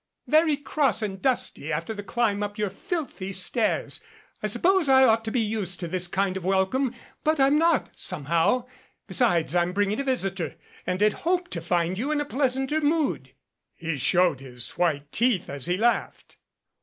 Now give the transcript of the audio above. Very cross and dusty after the climb up your filthy stairs I suppose I ought to be used to this kind of welcome but I'm not, somehow. Besides, I'm bringing a visitor, and had hoped to find you in a pleasanter mood." He showed his white teeth as he laughed.